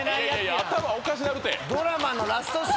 頭おかしなるって。